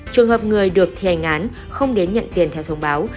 trường hợp người được thi hành án không đến nhận tiền theo thông báo